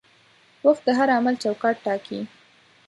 وخت د هر عمل چوکاټ ټاکي.